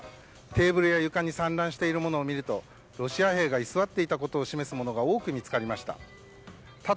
テーブルや床に散乱しているものを見るとロシア兵が居座っていたことを示すものが多く見つかりました。